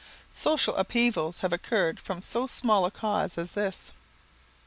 Social upheavals have occurred from so small a cause as this.